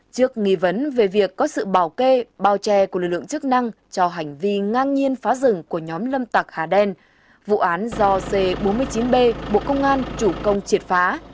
trước nghi vấn về việc có sự bảo kê bao che của lực lượng chức năng cho hành vi ngang nhiên phá rừng của nhóm lâm tặc hà đen vụ án do c bốn mươi chín b bộ công an chủ công triệt phá